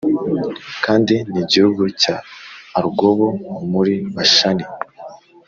kandi n’igihugu cya Arugobu muri Bashani